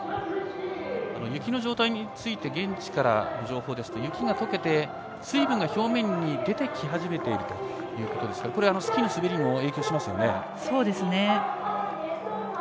雪の状態について現地からの情報ですと雪がとけて、水分が表面に出てき始めているということですがこれはスキーの滑りにもそうですね。